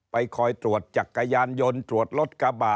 ไปคอยตรวจจากกายานยนตรวจรถกระบะ